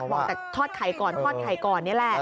บอกแต่ทอดไข่ก่อนนี่แหละ